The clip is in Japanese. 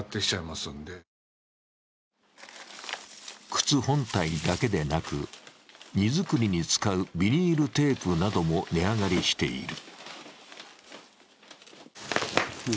靴本体だけでなく、荷造りに使うビニールテープなども値上がりしている。